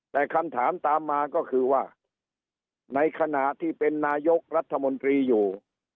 แต่คำถามตามมาก็คือว่าในขณะที่เป็นนายกรัฐมนตรีอยู่